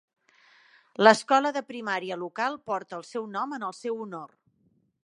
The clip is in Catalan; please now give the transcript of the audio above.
L'escola de primària local porta el seu nom en el seu honor.